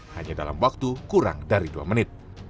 hanya dalam waktu kurang dari dua menit